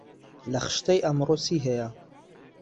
لە خشتەی ئەمڕۆ چی هەیە؟